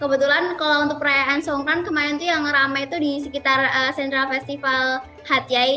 kebetulan kalau untuk perayaan songkran kemarin yang ramai itu di sekitar central festival hatyai